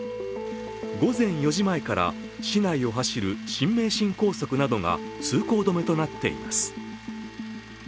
午前４時前から市内を走る新名神高速などが通行止めとなっています。